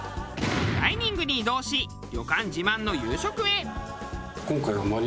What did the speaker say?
ダイニングに移動し旅館自慢の夕食へ。